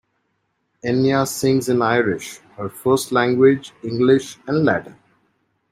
Enya sings in Irish, her first language, English and Latin.